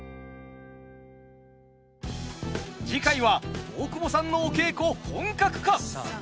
次回は大久保さんのお稽古本格化。